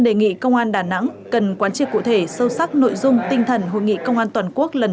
đề nghị công an đà nẵng cần quán triệt cụ thể sâu sắc nội dung tinh thần hội nghị công an toàn quốc lần